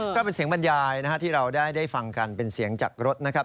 ก็เป็นเสียงบรรยายที่เราได้ฟังกันเป็นเสียงจากรถนะครับ